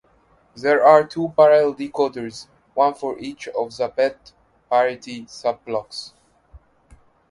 There are two parallel decoders, one for each of the -bit parity sub-blocks.